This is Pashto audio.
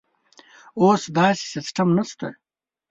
اوس داسې سیستم نشته.